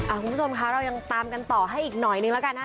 คุณผู้ชมคะเรายังตามกันต่อให้อีกหน่อยนึงแล้วกันนะ